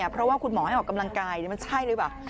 เพราะว่าคุณหมอให้ออกกำลังกายมันใช่หรือเปล่า